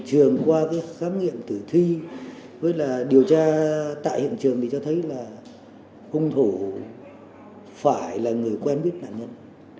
trường qua cái khám nghiệm tử thi với là điều tra tại hiện trường thì cho thấy là hung thủ phải là người quen biết nạn nhân